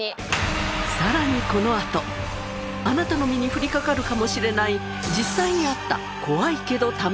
さらにこのあとあなたの身に降りかかるかもしれない実際にあった何？